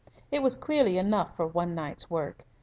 It was clearly enough for one night's work.